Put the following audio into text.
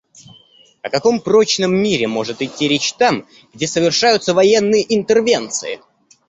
О каком прочном мире может идти речь там, где совершаются военные интервенции?